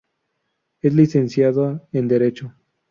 Es licenciada en Derecho.